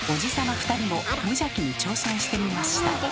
２人も無邪気に挑戦してみました。